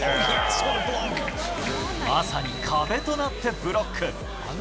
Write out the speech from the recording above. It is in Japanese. まさに壁となってブロック。